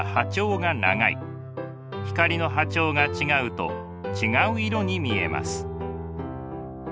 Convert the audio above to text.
光の波長が違うと違う色に見えます。